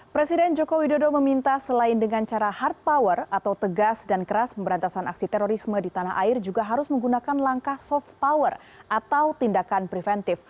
presiden jokowi dodo meminta selain dengan cara hard power atau tegas dan keras pemberantasan aksi terorisme di tanah air juga harus menggunakan langkah soft power atau tindakan preventif